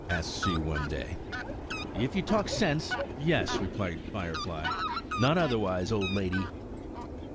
asked she, one day. "If you talk sense, yes," replied Firefly, "not otherwise, old lady."